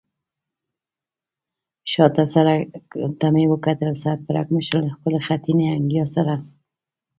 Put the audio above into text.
شا ته سړک ته مې وکتل، سر پړکمشر له خپلې خټینې انګیا سره.